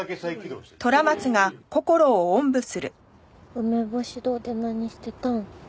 うめぼし堂で何してたん？